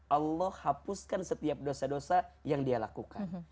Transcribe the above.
allah hapuskan setiap dosa dosa yang dia lakukan